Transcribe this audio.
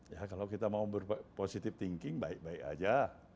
ya kalau kita mau positive thinking baik baik aja